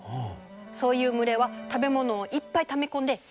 そういう群れは食べ物をいっぱいため込んで余裕がある。